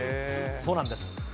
そうなんです。